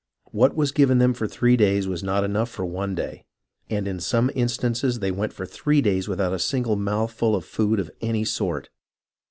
What was given them for three days was not enough for one day ; and in some instances they went for three days without a single mouthful of food of any sort.